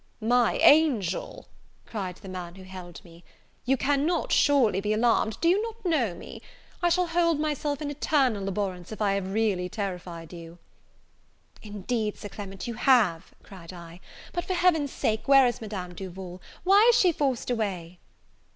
"My angel!" cried the man who held me, "you cannot surely be alarmed, do you not know me? I shall hold myself in eternal abhorrence, if I have really terrified you." "Indeed, Sir Clement, you have," cried I: "but, for Heaven's sake, where is Madame Duval? why is she forced away?"